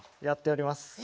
やっております